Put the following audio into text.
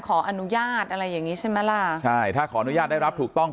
ขออนุญาตอะไรอย่างงี้ใช่ไหมล่ะใช่ถ้าขออนุญาตได้รับถูกต้อง